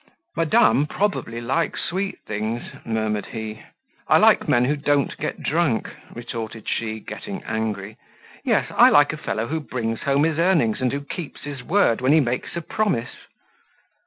"Madame probably likes sweet things," murmured he. "I like men who don't get drunk," retorted she, getting angry. "Yes, I like a fellow who brings home his earnings, and who keeps his word when he makes a promise."